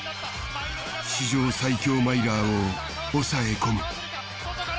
史上最強マイラーを抑え込む。